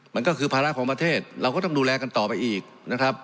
มันก็คือภาระของประเทศเราก็ต้องดูแลกันต่อไปอีกนะครับ